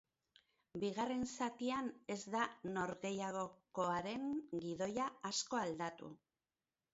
Bigarren zatian ez da norgehiagokaren gidoia asko aldatu.